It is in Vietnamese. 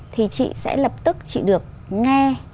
thì chị sẽ lập tức chị được nghe